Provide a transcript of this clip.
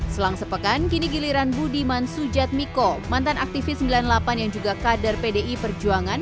selang sepekan kini giliran budiman sujatmiko mantan aktivis sembilan puluh delapan yang juga kader pdi perjuangan